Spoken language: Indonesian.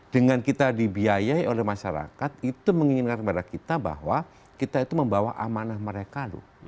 dengan kita dibiayai oleh masyarakat itu menginginkan kepada kita bahwa kita itu membawa amanah mereka loh